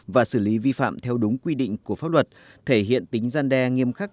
và xử lý vi phạm theo đúng quy định của pháp luật thể hiện tính gian đe nghiêm khắc